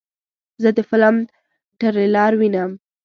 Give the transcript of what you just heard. زه د فلم ټریلر وینم.